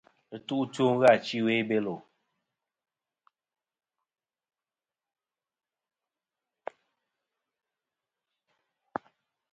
Ɨtu ' two ghɨ achi ɨwe i Belo.